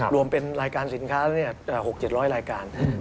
รวมเป็นรายการสินค้า๖๗๐๐รายการ